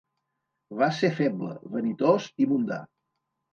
Va ser feble, vanitós i mundà.